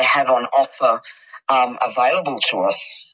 yang ada bagi kita